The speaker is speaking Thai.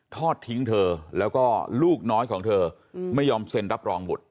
ทอดทิ้งเธอแล้วก็ลูกน้อยของเธอไม่ยอมเซ็นรับรองบุตร